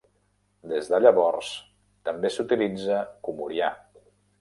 Des de llavors, també s'utilitza comorià.